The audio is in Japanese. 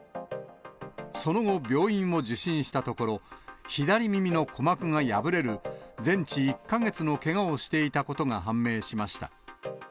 その後、病院を受診したところ、左耳の鼓膜が破れる、全治１か月のけがをしていたことが判明しました。